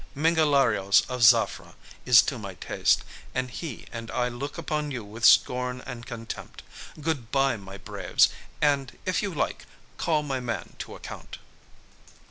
Mingalarios of Zafra is to my taste, and he and I look upon you with scorn and contempt. Good by, my braves; and, if you like, call my man to account."